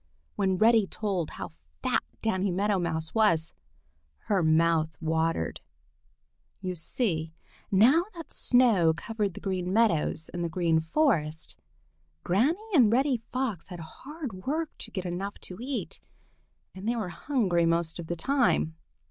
When Reddy told how fat Danny Meadow Mouse was, her mouth watered. You see now that snow covered the Green Meadows and the Green Forest, Granny and Reddy Fox had hard work to get enough to eat, and they were hungry most of the time.